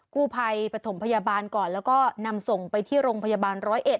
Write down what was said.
กู้ภัยปฐมพยาบาลก่อนแล้วก็นำส่งไปที่โรงพยาบาลร้อยเอ็ด